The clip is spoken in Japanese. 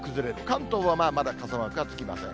関東はまだ傘マークがつきません。